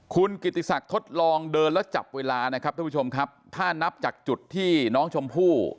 คุณกิติศักดิ์ทดลองเดินแล้วจับเวลานะครับท่านผู้ชมครับถ้านับจากจุดที่น้องชมพู่